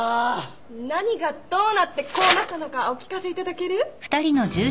何がどうなってこうなったのかお聞かせいただける？